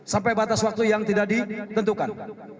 sampai batas waktu yang tidak ditentukan